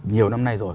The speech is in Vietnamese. nhiều năm nay rồi